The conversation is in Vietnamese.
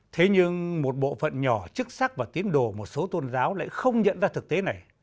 thế nhưng một bộ phận nhỏ chức sắc và tín đồ một số tôn giáo lại không nhận ra thực tế này